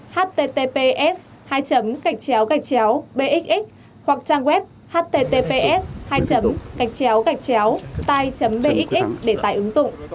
https bxx hoặc trang web https tai bxx để tài ứng dụng